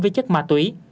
với chất ma túy